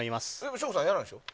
省吾さん、やらないんでしょ？